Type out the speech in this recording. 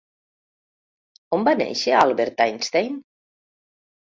On va néixer Albert Einstein?